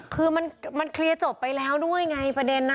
คือมันเคลียร์จบไปแล้วด้วยไงประเด็นนะ